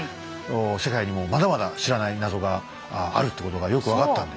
世界にもまだまだ知らない謎があるってことがよく分かったんで。